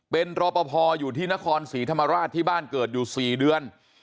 เป็นรอปภอยู่ที่นครศรีธรรมราชที่บ้านเกิดอยู่๔เดือน